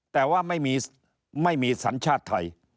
แต่ว่าไม่มีสัญชาติไทย